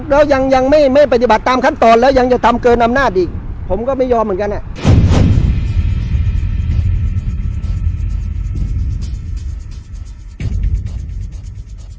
แล้วยังยังไม่ปฏิบัติตามขั้นตอนแล้วยังจะทำเกินอำนาจอีกผมก็ไม่ยอมเหมือนกันอ่ะ